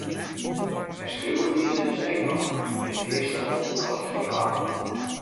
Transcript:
En skriuwe die se dus ek noch, yn it earstoan koarte ferhalen.